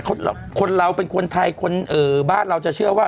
ปกติเนี่ยคนเราเป็นคนไทยบ้านเราจะเชื่อว่า